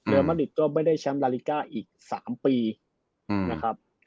มะริดก็ไม่ได้แชมป์ลาลิก้าอีก๓ปีนะครับ